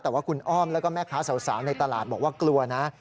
แต่ว่าคุณอ้อมแล้วก็แม่ค้าสาวในตลาดบอกว่ากลัวนะ